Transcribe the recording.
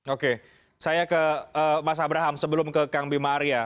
oke saya ke mas abraham sebelum ke kang bima arya